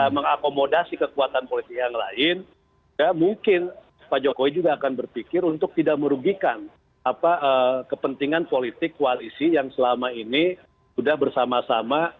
mengakomodasi kekuatan politik yang lain ya mungkin pak jokowi juga akan berpikir untuk tidak merugikan kepentingan politik koalisi yang selama ini sudah bersama sama